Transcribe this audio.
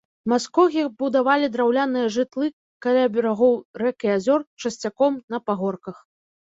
Маскогі будавалі драўляныя жытлы каля берагоў рэк і азёр, часцяком на пагорках.